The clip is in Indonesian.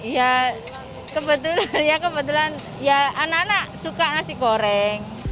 ya kebetulan ya kebetulan ya anak anak suka nasi goreng